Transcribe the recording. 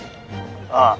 ああ。